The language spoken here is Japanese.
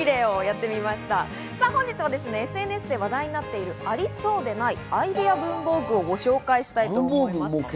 本日はＳＮＳで話題になっている、ありそうでないアイデア文房具をご紹介したいと思います。